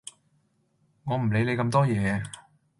我唔理你咁多嘢